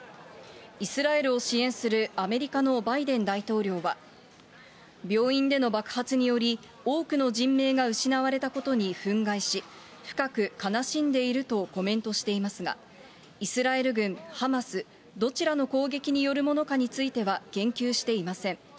イスラエルを支援するアメリカのバイデン大統領は、病院での爆発により、多くの人命が失われたことに憤慨し、深く悲しんでいるとコメントしていますが、イスラエル軍、ハマス、どちらの攻撃によるものかについては言及していません。